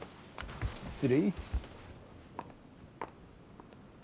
失礼。